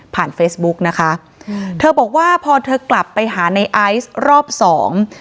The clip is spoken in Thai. เฟซบุ๊กนะคะเธอบอกว่าพอเธอกลับไปหาในไอซ์รอบสอง